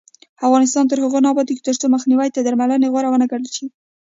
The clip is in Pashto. افغانستان تر هغو نه ابادیږي، ترڅو مخنیوی تر درملنې غوره ونه ګڼل شي.